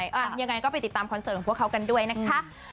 ยังไงก็ไปติดตามคอนเสิร์ตของพวกเขากันด้วยนะคะ